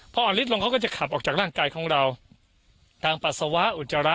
พออ่อนฤทธิลงเขาก็จะขับออกจากร่างกายของเราทางปัสสาวะอุจจาระ